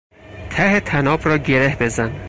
ته طناب را گره بزن.